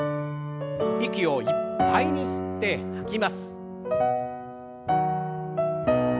息をいっぱいに吸って吐きます。